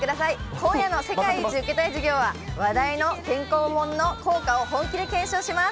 今夜の世界一受けたい授業は、話題の健康本の効果を本気で検証します。